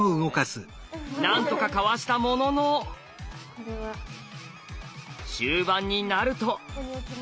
なんとかかわしたものの終盤になると。